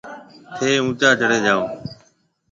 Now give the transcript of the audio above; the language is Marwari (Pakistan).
ٿَي اُونچا چڙهي جاو۔